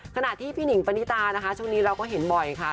ขณะที่พี่หนิงปณิตานะคะช่วงนี้เราก็เห็นบ่อยค่ะ